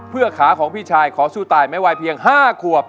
เพื่อขาของพี่ชายขอสู้ตายไม่วัยเพียง๕ขวบ